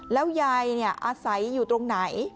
แล้วยายอาศัยอยู่ตรงไหน